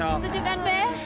setuju kan beh